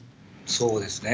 そうですね。